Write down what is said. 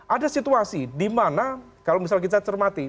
ada situasi dimana kalau misalnya kita cermati